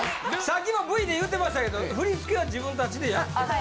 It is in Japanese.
さっきのＶで言うてましたけど振り付けは自分達でやってる。